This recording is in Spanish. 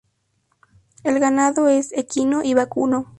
El ganado es equino y vacuno.